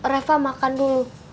reva makan dulu